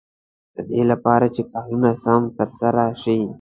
د دې لپاره چې کارونه سم تر سره شي.